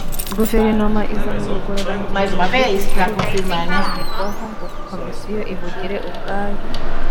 guverinoma izana ubugororangingo butigeze buganirwaho ngo komisiyo ibugire ubwayo